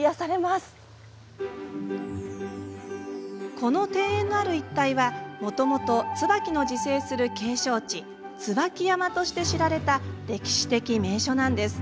この庭園のある一帯はもともと椿の自生する景勝地、椿山として知られた歴史的名所なんです。